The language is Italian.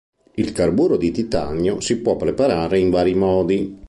Il carburo di titanio si può preparare in vari modi.